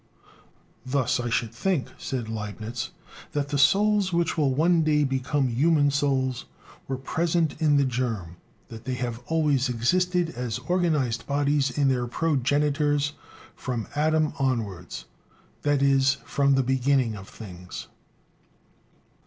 "Thus I should think," said Liebnitz, "that the souls which will one day become human souls, were present in the germ; that they have always existed as organized bodies in their progenitors from Adam onwards that is, from the beginning of things."